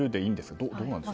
どうなんですか？